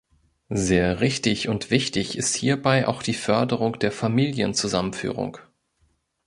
Sehr richtig und wichtig ist hierbei auch die Förderung der Familienzusammenführung.